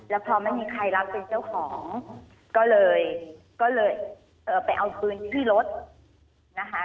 แล้วพอไม่มีใครรับเป็นเจ้าของก็เลยก็เลยเอ่อไปเอาคืนที่รถนะคะ